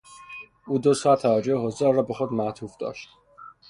او دو ساعت توجه حضار را به خود معطوف داشت.